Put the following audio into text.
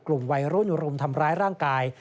กลุ่มวัยรุ่นรุมทำร้ายร่างกาย